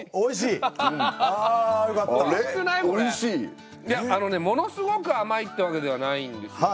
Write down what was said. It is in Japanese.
いやあのねものすごく甘いってわけではないんですよ。